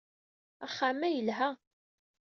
Axxam-a yelha